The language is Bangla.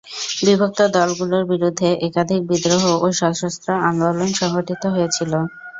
বিভক্ত দলগুলোর বিরুদ্ধে একাধিক বিদ্রোহ ও সশস্ত্র আন্দোলন সংঘটিত হয়েছিল।